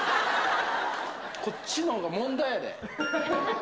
こっちのほうが問題やで。